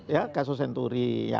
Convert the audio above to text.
ya kasus senturi